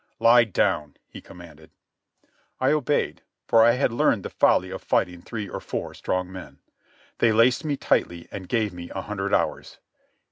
"Lie down," he commanded. I obeyed, for I had learned the folly of fighting three or four strong men. They laced me tightly, and gave me a hundred hours.